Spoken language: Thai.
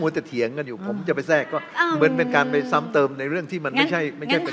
ไม่นานเพราะเอาแบบเพิ่งจะแส้กก็เป็นการไปซ้ำเติมสำหรับที่ไม่ใช่เป็นปัญหา